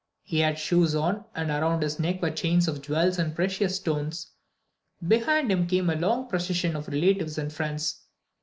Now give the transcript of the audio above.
He had shoes on, and around his neck were chains of jewels and precious stones. Behind him came a long procession of relatives and friends.